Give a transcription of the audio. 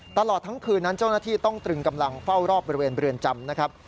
ตลอดทั้งคืนนั้นเจ้าหน้าที่ต้องตรึงกำลังเฝ้ารอบบริเวณเรือนจำนะครับ